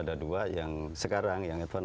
ada dua yang sekarang yang advance